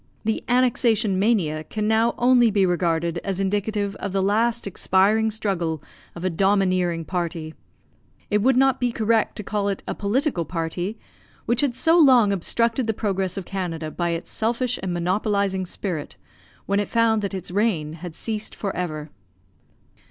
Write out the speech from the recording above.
The "annexation" mania can now only be regarded as indicative of the last expiring struggle of a domineering party it would not be correct to call it a political party which had so long obstructed the progress of Canada by its selfish and monopolising spirit, when it found that its reign had ceased for ever.